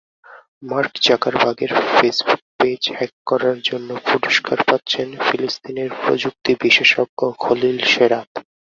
Mark জাকারবার্গের Facebook page hack করার জন্য পুরস্কার পাচ্ছেন ফিলিস্তিনের প্রযুক্তি-বিশেষজ্ঞ খলিল শেরাত।